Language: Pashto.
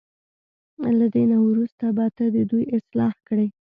له دې نه وروسته به ته د دوی اصلاح کړې.